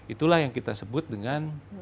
itulah yang kita sebut dengan